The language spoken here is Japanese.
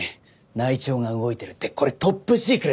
内調が動いてるってこれトップシークレットなんで。